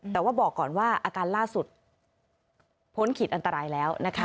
แต่ว่าบอกก่อนว่าอาการล่าสุดพ้นขีดอันตรายแล้วนะคะ